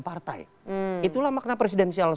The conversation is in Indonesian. partai itulah makna presidensial